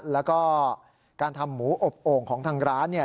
แล้วก็การทำหมูอบโอ่งของทางร้านเนี่ย